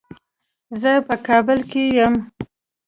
زه په کابل کې یم.